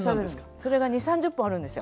それが２０３０分あるんですよ。